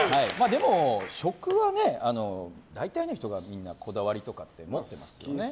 でも食は大体の人がこだわりとかって持ってますよね。